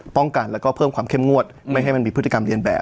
ป้องกันแล้วก็เพิ่มความเข้มงวดไม่ให้มันมีพฤติกรรมเรียนแบบ